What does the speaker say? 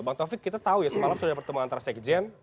bang taufik kita tahu ya semalam sudah pertemuan antara sekjen